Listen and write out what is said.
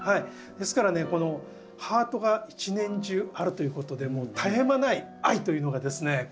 ですからねこのハートが一年中あるということでもう絶え間ない愛というのがですね